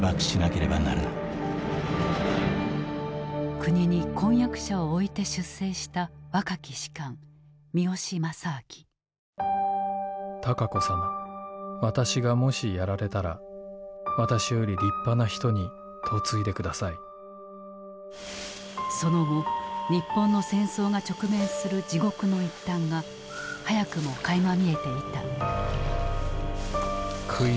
国に婚約者を置いて出征した若き士官その後日本の戦争が直面する地獄の一端が早くもかいま見えていた。